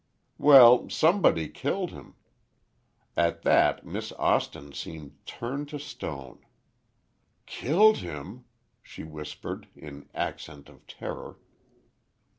"Well, somebody killed him." At that, Miss Austin seemed turned to stone. "Killed him!" she whispered, in accent of terror.